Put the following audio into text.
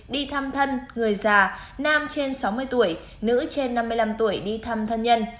đi thăm thân người già nam trên sáu mươi tuổi nữ trên năm mươi năm tuổi đi thăm thân nhân